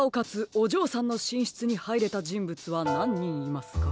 おじょうさんのしんしつにはいれたじんぶつはなんにんいますか？